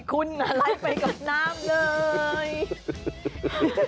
คุณอะไรไปกับน้ำเลย